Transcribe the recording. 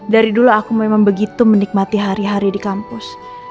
dari dulu aku memang begitu menikmati hari hari di kampus